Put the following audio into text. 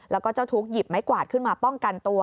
แล้วก็เจ้าทุกข์หยิบไม้กวาดขึ้นมาป้องกันตัว